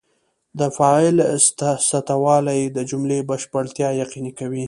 د فاعل سته والى د جملې بشپړتیا یقیني کوي.